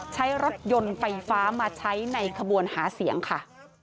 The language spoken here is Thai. ใช้รถยนต์ไฟฟ้ามาใช้ในขบวนหาเสียงค่ะ